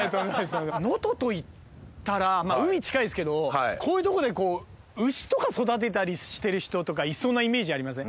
能登といったらまぁ海近いですけどこういうとこで牛とか育てたりしてる人とかいそうなイメージありません？